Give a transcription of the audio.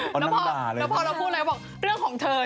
ก็ได้บอกว่าเหมือนคนโดนเข้าโดนของเลย